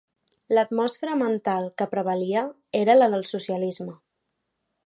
L'atmosfera mental que prevalia era la del socialisme